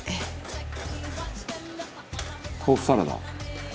「豆腐サラダ？」